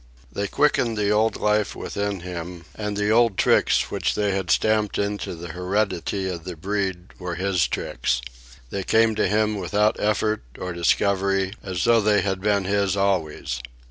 They quickened the old life within him, and the old tricks which they had stamped into the heredity of the breed were his tricks. They came to him without effort or discovery, as though they had been his always.